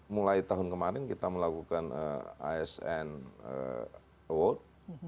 mulai tahun kemarin kita melakukan asn award